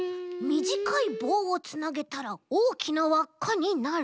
みじかいぼうをつなげたらおおきなわっかになる？